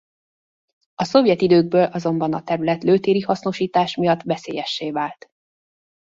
A szovjet időkből azonban a terület lőtéri hasznosítás miatt veszélyessé vált.